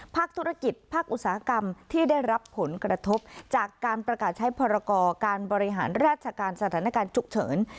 ภาคธุรกิจภาคอุตสาหกรรมที่ได้รับผลกระทบจากการประกาศใช้พรกรการบริหารราชการสถานการณ์ฉุกเฉิน